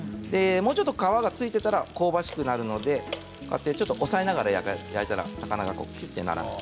皮がついていたら香ばしくなるので押さえながら焼いたらきゅっとならない。